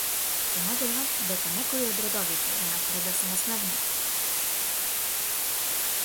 Се надевам дека некои од редовите ве натера да се насмевнете.